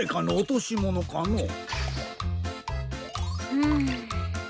うん。